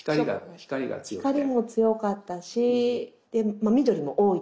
光も強かったし緑も多いですよね。